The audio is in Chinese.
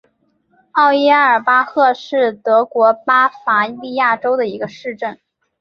奥伊埃尔巴赫是德国巴伐利亚州的一个市镇。